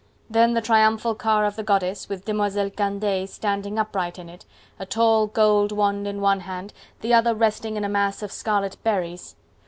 Then the triumphal car of the goddess, with Demoiselle Candeille standing straight up in it, a tall gold wand in one hand, the other resting in a mass of scarlet berries.